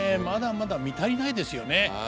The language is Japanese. まだまだ見足りないですよね！